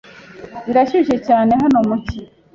Birashyushye cyane hano mu cyi.